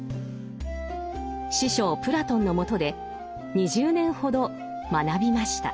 師匠プラトンのもとで２０年ほど学びました。